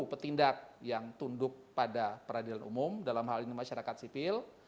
sepuluh petindak yang tunduk pada peradilan umum dalam hal ini masyarakat sipil